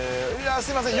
すいません。